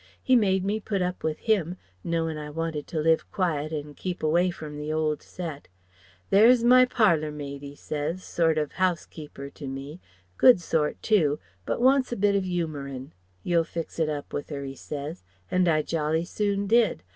He made me put up with him, knowin' I wanted to live quiet and keep away from the old set. 'There's my parlour maid,' 'e says, 'sort of housekeeper to me good sort too, but wants a bit of yumourin.' You'll fix it up with her,' he says. And I jolly soon did.